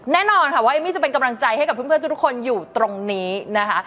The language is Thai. แน่นอนค่ะว่าเอมมี่จะเป็นกำลังใจให้กับเพื่อนทุกคนอยู่ตรงนี้นะคะ